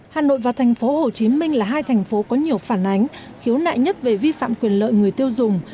hà nội và tp hcm là hai thành phố có nhiều phản ánh khiếu nại nhất về vi phạm quyền lợi người tiêu dùng